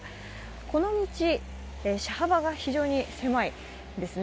この道、車幅が非常に狭いですね。